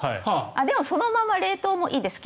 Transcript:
でも、そのまま冷凍もいいです。